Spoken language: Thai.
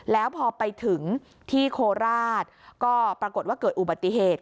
แล้วพอไปถึงที่โคราชก็ปรากฏว่าเกิดอุบัติเหตุ